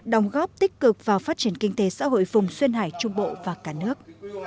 đồng góp tích cực vào phát triển kinh tế xã hội vùng xuyên hải trung bộ và cả nước